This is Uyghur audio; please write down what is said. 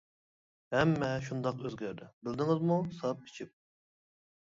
ھەممە شۇنداق ئۆزگەردى، بىلدىڭىزمۇ ساپ ئىچىپ.